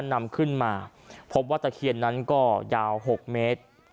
นำขึ้นมาพบว่าตะเคียนนั้นก็ยาว๖เมตร